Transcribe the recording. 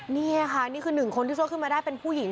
นี่ค่ะนี่คือหนึ่งคนที่ช่วยขึ้นมาได้เป็นผู้หญิง